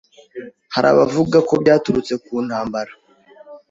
hari abavugako byaturutse ku ntambara